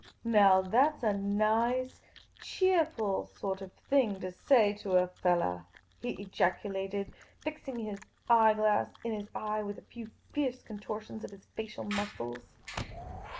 " Now that 's a nice, cheerful sort of thing to say to a fellah," he ejaculated, fixing his eye glass in his eye, with a few fierce contortions of his facial muscles.